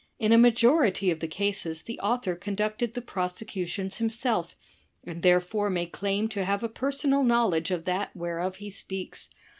In a majority of the cases the author con ducted the prosecutions himself, and therefore may claim to have a personal knowledge of that whereof he speaks.